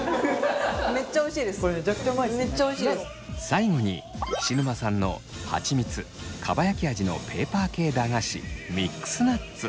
最後に菱沼さんのはちみつかばやき味のペーパー系駄菓子ミックスナッツ。